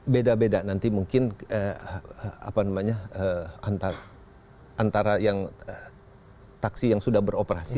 beda beda nanti mungkin antara yang taksi yang sudah beroperasi